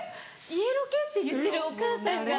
「家ロケ」って言ってお母さんが。